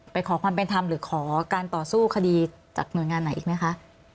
ขอความเป็นธรรมหรือขอการต่อสู้คดีจากหน่วยงานไหนอีกไหมคะ